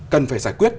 cần phải giải quyết